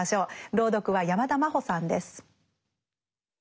朗読は山田真歩さんです。